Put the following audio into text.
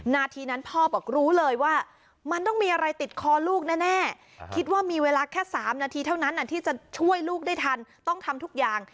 นาทีนั้นพ่อบอกรู้เลยว่ามันต้องมีอะไรติดคอลูกแน่คิดว่ามีเวลาแค่๓นาทีเท่านั้นที่จะช่วยลูกได้ทันต้องทำทุกอย่าง